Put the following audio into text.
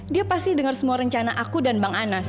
dia pasti dengar semua rencana aku dan bang anas